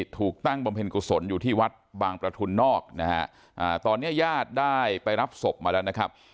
ถูกตั้งบำเพ็ญกุศลอยู่ที่วัดบางประทุนนอกนะฮะตอนนี้ญาติได้ไปรับศพมาแล้วนะครับ